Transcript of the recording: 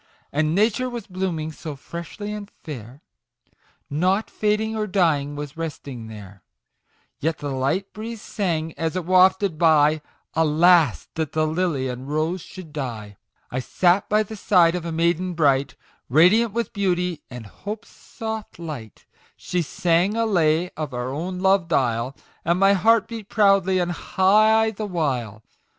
And Nature was blooming so freshly and fair, Nought fading or dying was resting there ; Yet the light breeze sang, as it wafted by, " Alas that the Lily and Rose should die !"*#*# I sat by the side of a maiden bright, Radiant with Beauty, and Hope's soft light ; She sang a lay of our own loved isle, And my heart beat proudly and high the while.